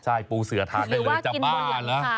ใช่ปูเสือทานได้เลยจะมาแล้วนะ